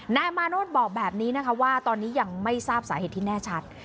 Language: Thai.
นายมาโนธบอกแบบนี้นะคะว่าตอนนี้ยังไม่ทราบสาเหตุที่แน่ชัด